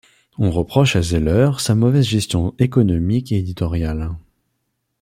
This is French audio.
On reproche à Zeller sa mauvaise gestion économique et éditoriale.